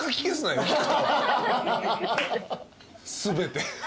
全て。